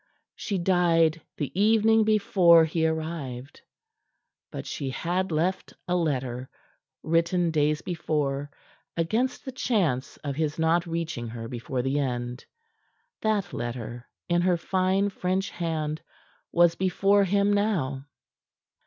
She died the evening before he arrived. But she had left a letter, written days before, against the chance of his not reaching her before the end. That letter, in her fine French hand, was before him now.